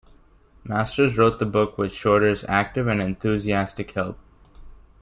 Masters wrote the book with Shorter's active and enthusiastic help.